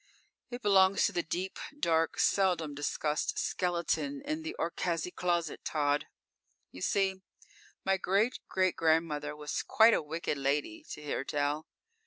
"It belongs to the deep, dark, seldom discussed skeleton in the Orcaczy closet, Tod. You see, my great great grandmother was quite a wicked lady, to hear tell.